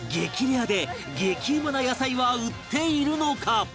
レアで激うまな野菜は売っているのか？